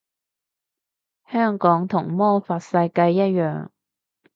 香港同魔法世界一樣